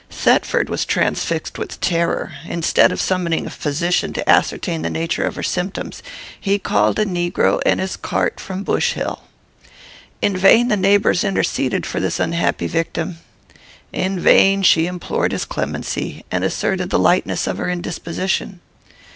"Thetford was transfixed with terror. Instead of summoning a physician, to ascertain the nature of her symptoms, he called a negro and his cart from Bush Hill. In vain the neighbours interceded for this unhappy victim. In vain she implored his clemency, and asserted the lightness of her indisposition.